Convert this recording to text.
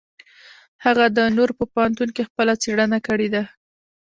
هغه د ډنور په پوهنتون کې خپله څېړنه کړې ده.